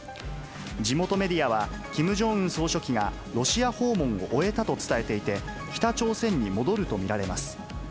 地元メディアは、キム・ジョンウン総書記がロシア訪問を終えたと伝えていて、北朝鮮に戻ると見られます。